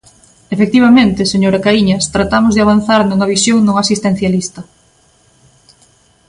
Efectivamente, señora Caíñas, tratamos de avanzar nunha visión non asistencialista.